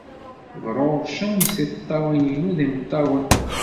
Bṛuṛcent-d tiṭṭawin-inu d imeṭṭawen.